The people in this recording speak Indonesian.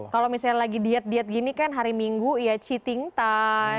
kalau misalnya lagi diet diet gini kan hari minggu ya cheating time